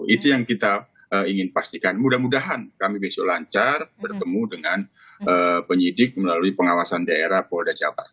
itu yang kita ingin pastikan mudah mudahan kami besok lancar bertemu dengan penyidik melalui pengawasan daerah polda jawa barat